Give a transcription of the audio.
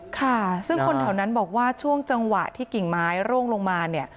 ค่ะซึ่งคนแถวนั้นบอกว่าช่วงจังหวะที่กิ่งไม้ร่วงลงมาเนี่ย